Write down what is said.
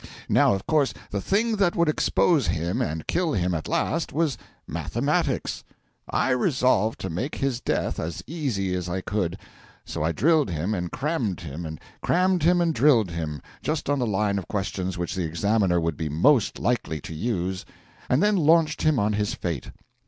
Now of course the thing that would expose him and kill him at last was mathematics. I resolved to make his death as easy as I could; so I drilled him and crammed him, and crammed him and drilled him, just on the line of questions which the examiner would be most likely to use, and then launched him on his fate.